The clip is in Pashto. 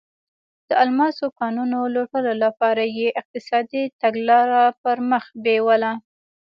د الماسو کانونو لوټلو لپاره یې اقتصادي تګلاره پر مخ بیوله.